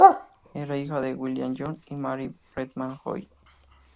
Era hija de William Joy y Mary Redman Joy.